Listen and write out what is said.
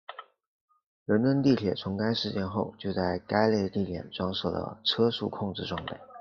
伦敦地铁从该事件后就在该类地点装设了车速控制装备。